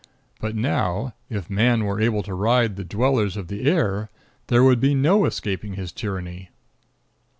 But now, if man were able to ride the dwellers of the air, there would be no escaping his tyranny.